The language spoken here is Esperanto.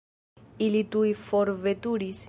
Ili tuj forveturis.